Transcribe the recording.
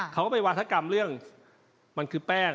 เขาก็ไปวาธกรรมเรื่องมันคือแป้ง